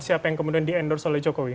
siapa yang kemudian di endorse oleh jokowi